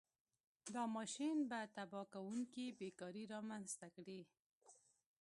دا ماشین به تباه کوونکې بېکاري رامنځته کړي.